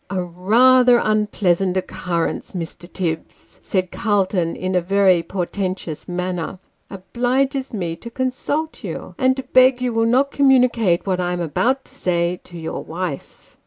" A rather unpleasant occurrence, Mr. Tibbs," said Calton, in a very portentous manner, " obliges me to consult you, and to beg you will not communicate what I am about to say, to your wife."